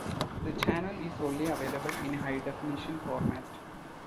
The channel is only available in high-definition format.